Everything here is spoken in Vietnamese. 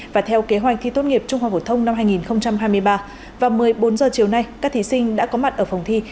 và theo kế hoạch thi tốt nghiệp trung học phổ thông năm hai nghìn hai mươi ba và một mươi bốn h chiều nay các thí sinh đã có mặt ở phòng thi